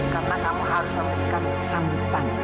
karena kamu harus memberikan kesambutan